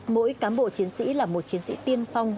mỗi cán bộ chiến sĩ là một chiến sĩ tiên phong